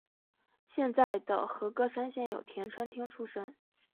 现在的和歌山县有田川町出身。